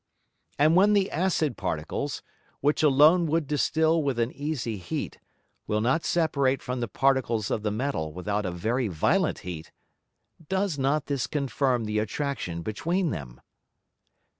And when the acid Particles, which alone would distil with an easy Heat, will not separate from the Particles of the Metal without a very violent Heat, does not this confirm the Attraction between them?